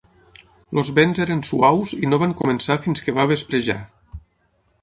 Els vents eren suaus i no van començar fins que va vesprejar.